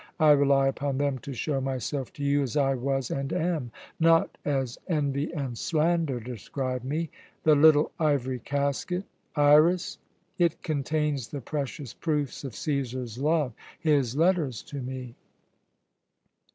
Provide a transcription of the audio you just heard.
I rely upon them to show myself to you as I was and am, not as envy and slander describe me. The little ivory casket, Iras! It contains the precious proofs of Cæsar's love, his letters to me."